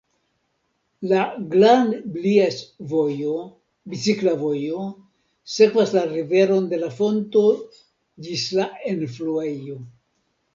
La Glan-Blies-vojo, bicikla vojo, sekvas la riveron de la fonto ĝis la enfluejo.